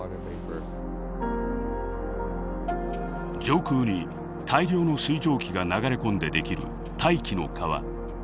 上空に大量の水蒸気が流れ込んでできる「大気の川」。